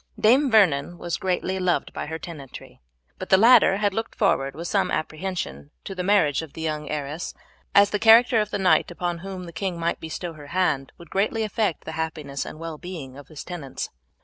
Dame Vernon was greatly loved by her tenantry; but the latter had looked forward with some apprehension to the marriage of the young heiress, as the character of the knight upon whom the king might bestow her hand would greatly affect the happiness and well being of his tenants.